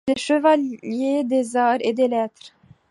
Il est Chevalier des Arts et des Lettres.